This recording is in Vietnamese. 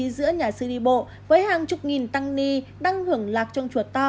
giữa nhà sư đi bộ với hàng chục nghìn tăng ni đang hưởng lạc trong chùa to